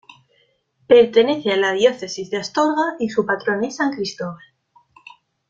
Pertenece a la diócesis de Astorga y su patrón es San Cristóbal.